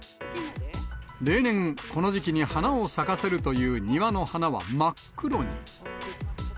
例年、この時期に花を咲かせるという庭の花は真っ黒に。